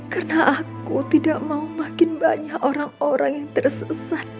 karena aku tidak mau makin banyak orang orang yang tersesat